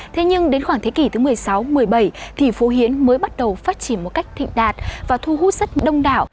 thế nhưng đến khoảng thế kỷ thứ một mươi sáu một mươi bảy thì phố hiến mới bắt đầu phát triển một cách thịnh đạt và thu hút rất đông đảo